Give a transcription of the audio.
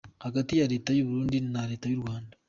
Hagati ya Leta y’u Burundi na Leta y’u Rwanda?